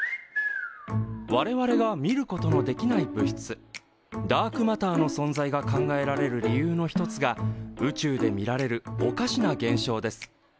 我々が見ることのできない物質ダークマターの存在が考えられる理由の一つが宇宙で見られるおかしな現象です。